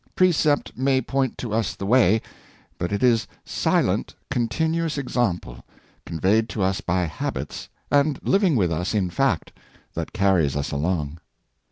Precept may point to us the way, but it is silent, continuous example, conveyed to us by habits, and living with us in fact, that carries us along.